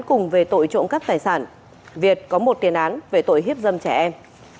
cùng về tội trộm cắp tài sản việt có một tiền án về tội hiếp dâm trẻ em